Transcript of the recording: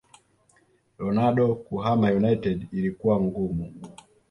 Ronaldo kuhama united ilikuwa ngumu